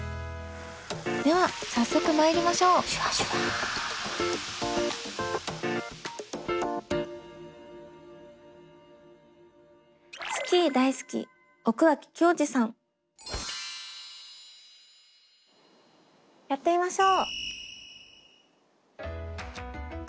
では早速まいりましょうやってみましょう。